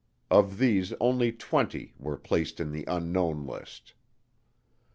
Of these, only 20 were placed on the "unknown" list.